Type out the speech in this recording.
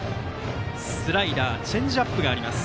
スライダーチェンジアップがあります。